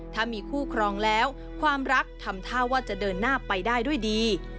ถ้ามีคู่ครองแล้วความรักทำท่าว่าจะเดินหน้าไปได้ด้วยดี